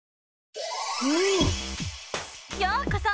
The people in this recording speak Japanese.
ようこそ！